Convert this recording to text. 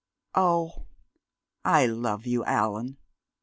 "Oh, I love you, Allan!"